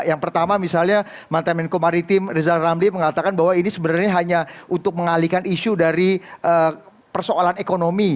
yang pertama misalnya mantan menko maritim rizal ramli mengatakan bahwa ini sebenarnya hanya untuk mengalihkan isu dari persoalan ekonomi